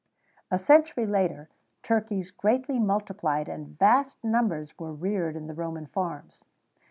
[XVII 107] A century later, turkeys greatly multiplied, and vast numbers were reared in the Roman farms.